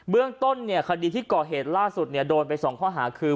เรื่องต้นคดีที่ก่อเหตุล่าสุดโดนไป๒ข้อหาคือ